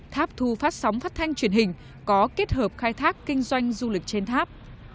tháp thu phát sóng phát thanh truyền hình có kết hợp khai thác kinh doanh du lịch trên tháp